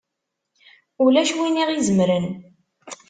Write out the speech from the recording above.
Ulac win i ɣ-izemren!